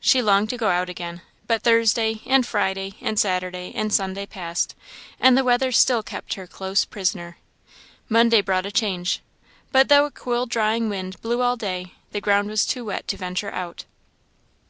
She longed to go out again; but Thursday, and Friday, and Saturday, and Sunday passed, and the weather still kept her close prisoner. Monday brought a change, but though a cool drying wind blew all day, the ground was too wet to venture out.